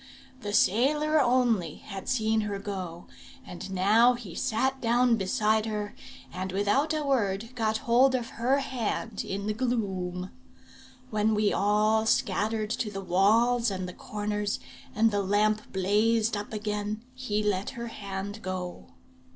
The sailor only had seen her go, and now he sat down beside her, and, without a word, got hold of her hand in the gloom. When we all scattered to the walls and the corners, and the lamp blazed up again, he let her hand go.